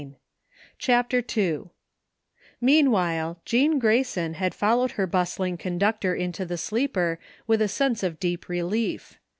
23 CHAPTER II Meanwhile Jean Grayson had followed her bust ling conductor into the sleeper with a sense of deep relief.